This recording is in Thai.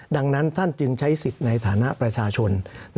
ดังนั้นท่านจึงใช้สิทธิ์ในฐานะประชาชน